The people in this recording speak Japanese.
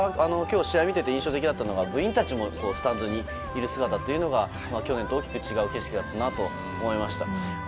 今日、試合見ていて印象的だったのが部員たちもスタンドにいる姿が去年と大きく違う景色だったなと思いました。